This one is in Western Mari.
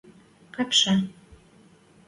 кӓпшӹ